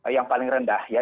yang paling rendah ya